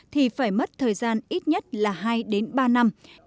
thì phải mất thời gian ít nhất là hai đến ba năm